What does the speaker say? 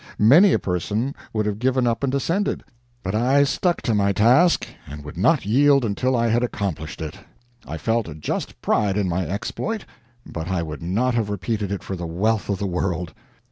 Many a person would have given up and descended, but I stuck to my task, and would not yield until I had accomplished it. I felt a just pride in my exploit, but I would not have repeated it for the wealth of the world.